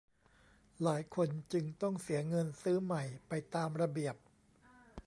หลายคนจึงต้องเสียเงินซื้อใหม่ไปตามระเบียบ